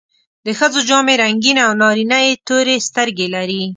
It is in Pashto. د ښځو جامې رنګینې او نارینه یې تورې سترګې لري.